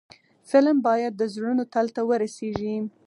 فلم باید د زړونو تل ته ورسیږي